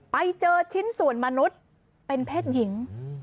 ไปเจอชิ้นส่วนมนุษย์เป็นเพศหญิง